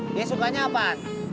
dia sukanya apaan